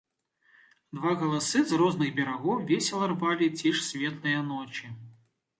Два галасы з розных берагоў весела рвалі ціш светлае ночы.